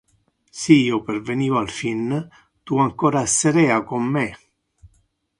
Si io perveniva al fin, tu ancora esserea con me.